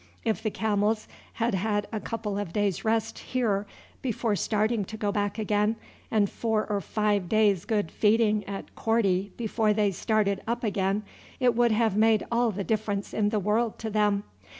If the camels had had a couple of days' rest here before starting to go back again, and four or five days' good feeding at Korti before they started up again, it would have made all the difference in the world to them.